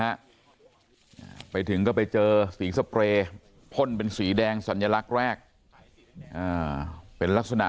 ฮะไปถึงก็ไปเจอสีสเปรย์พ่นเป็นสีแดงสัญลักษณ์แรกอ่าเป็นลักษณะ